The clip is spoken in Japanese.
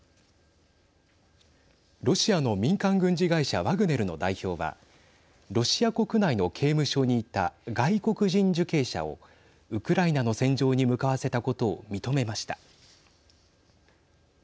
ロシアの民間軍事会社ワグネルの代表はロシア国内の刑務所にいた外国人受刑者をウクライナの戦場に向かわせたことを認めました。